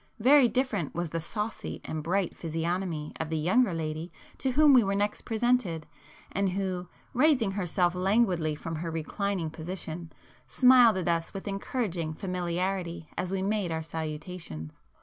Very different was the saucy and bright physiognomy of the younger lady to whom we were next presented, and who, raising herself languidly from her reclining position, smiled at us with encouraging familiarity as we made our salutations.